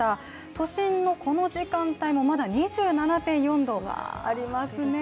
都心のこの時間帯もまだ２７．４度ありますね。